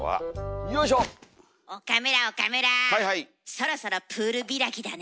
そろそろプール開きだね。